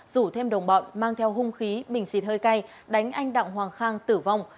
rủ thêm đồng bọn mang theo hung khí bình xịt hơi cay đánh anh đặng hoàng khang tử vong